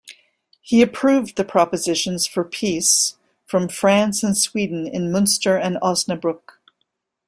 He approved the propositions for peace from France and Sweden in Munster and Osnabruck.